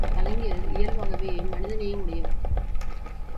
கலைஞர் இயல்பாகவே மனிதநேயம் உடையவர்.